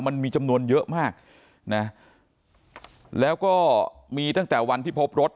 มันมีจำนวนเยอะมากนะแล้วก็มีตั้งแต่วันที่พบรถ